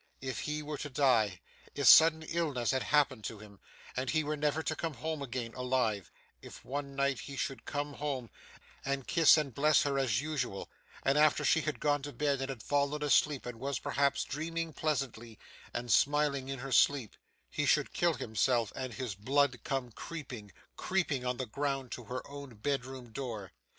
If he were to die if sudden illness had happened to him, and he were never to come home again, alive if, one night, he should come home, and kiss and bless her as usual, and after she had gone to bed and had fallen asleep and was perhaps dreaming pleasantly, and smiling in her sleep, he should kill himself and his blood come creeping, creeping, on the ground to her own bed room door!